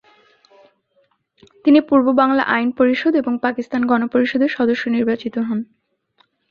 তিনি পূর্ববাংলা আইন পরিষদ এবং পাকিস্তান গণপরিষদের সদস্য নির্বাচিত হন।